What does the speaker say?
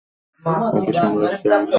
ওকে সামলাচ্ছি আমি।